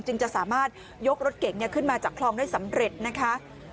จะสามารถยกรถเก่งขึ้นมาจากคลองได้สำเร็จนะคะ